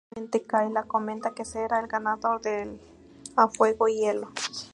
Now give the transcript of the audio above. Airadamente, Kayla comenta que será el ganador del a fuego y hielo.